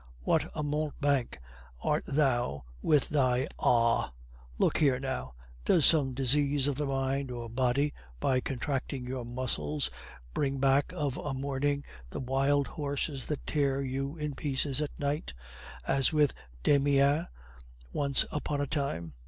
"What a mountebank art thou with thy 'Ah'! Look here, now. Does some disease of the mind or body, by contracting your muscles, bring back of a morning the wild horses that tear you in pieces at night, as with Damiens once upon a time?